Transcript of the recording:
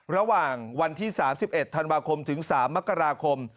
ระหว่างวันที่๓๑ธันวาคมถึง๓มกราคม